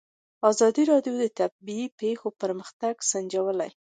ازادي راډیو د طبیعي پېښې پرمختګ سنجولی.